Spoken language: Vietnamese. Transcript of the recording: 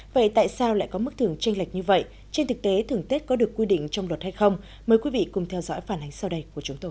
vậy tại sao lại có mức thưởng tranh lệch như vậy trên thực tế thưởng tết có được quy định trong luật hay không mời quý vị cùng theo dõi phản ánh sau đây của chúng tôi